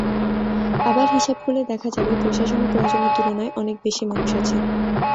আবার হিসাব করলে দেখা যাবে, প্রশাসনে প্রয়োজনের তুলনায় অনেক বেশি মানুষ আছে।